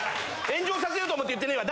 炎上させようと思って言ってねぇわ。